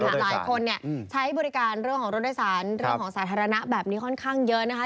หลายคนเนี่ยใช้บริการเรื่องของรถโดยสารเรื่องของสาธารณะแบบนี้ค่อนข้างเยอะนะคะ